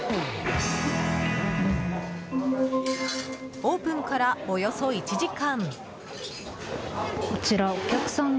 オープンからおよそ１時間後。